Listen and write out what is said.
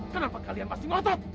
kenapa kalian masih ngotot